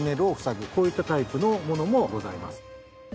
こういったタイプのものもございます。